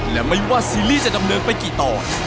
และไม่ว่าซีรีส์จะดำเนินไปกี่ตอน